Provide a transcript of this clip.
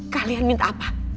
kalian minta apa